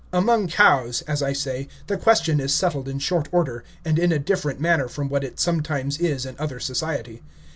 Among cows, as I say, the question is settled in short order, and in a different manner from what it sometimes is in other society.